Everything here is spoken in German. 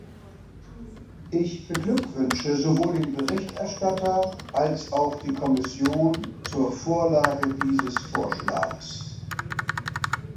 Ich beglückwünsche sowohl den Berichterstatter als auch die Kommission zur Vorlage dieses Vorschlags.